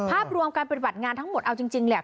ภาพรวมการปฏิบัติงานทั้งหมดเอาจริงแหละ